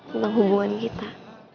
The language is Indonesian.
tentang hubungan kita